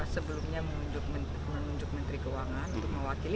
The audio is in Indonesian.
sebelumnya menunjuk menteri keuangan untuk mewakili